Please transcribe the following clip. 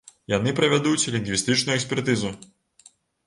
Яны правядуць лінгвістычную экспертызу.